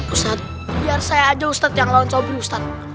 ustadz biar saya aja ustadz yang lawan soby ustadz